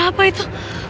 suara apa itu